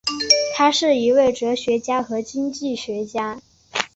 他是一位哲学家和经济学家。